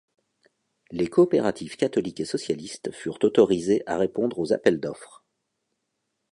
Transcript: Les coopératives catholiques et socialistes furent autorisées à répondre aux appels d'offre.